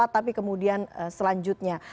tapi kemudian selanjutnya